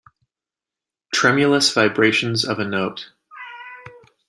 Tremulous vibration of a note.